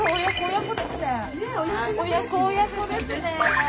親子親子ですね。